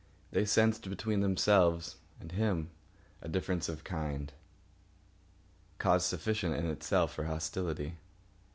They sensed between themselves and him a difference of kind—cause sufficient in itself for hostility.